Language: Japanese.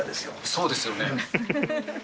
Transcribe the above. そうですよね。